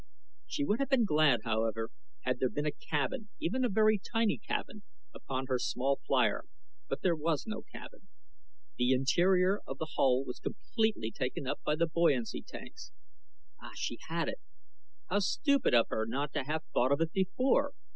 She would have been glad, however, had there been a cabin, even a very tiny cabin, upon her small flier; but there was no cabin. The interior of the hull was completely taken up by the buoyancy tanks. Ah, she had it! How stupid of her not to have thought of it before!